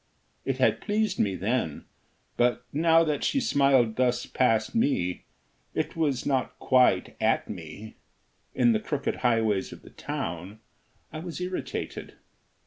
It had pleased me then; but, now that she smiled thus past me it was not quite at me in the crooked highways of the town, I was irritated.